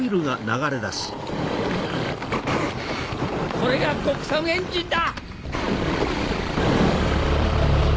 これが国産エンジンだ！